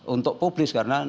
untuk publis karena